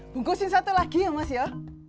bungkusin satu lagi ya mas ya